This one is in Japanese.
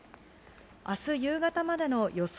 あす夕方までの予想